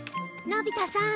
のび太さん。